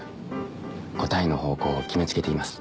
答えの方向を決めつけています。